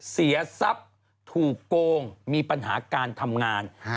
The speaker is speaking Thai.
เสียทรัพย์ถูกโกงมีปัญหาการทำงาน